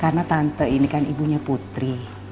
karena tante ini kan ibunya putri